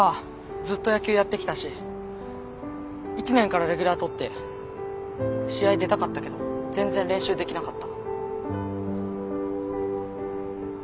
ずっと野球やってきたし１年からレギュラー取って試合出たかったけど全然練習できなかった。